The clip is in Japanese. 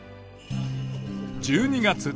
１２月。